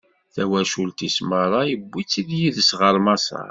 Tawacult-is meṛṛa, iwwi-tt yid-s ɣer Maṣer.